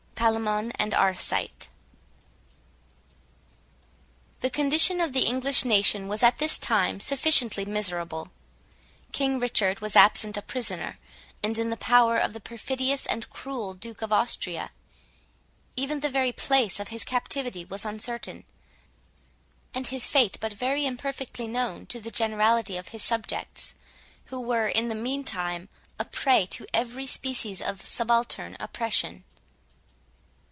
PALAMON AND ARCITE The condition of the English nation was at this time sufficiently miserable. King Richard was absent a prisoner, and in the power of the perfidious and cruel Duke of Austria. Even the very place of his captivity was uncertain, and his fate but very imperfectly known to the generality of his subjects, who were, in the meantime, a prey to every species of subaltern oppression.